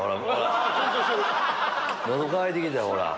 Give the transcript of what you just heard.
喉渇いてきたよ。